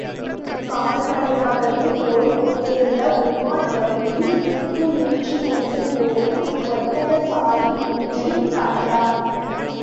கால்நடையாகவே போய்க் கொண்டிருந்த உமார் வழியில் உப்பு ஏற்றிக் கொண்டு போகும் ஒட்டகச் சாரி ஒன்றைக் கண்டான்.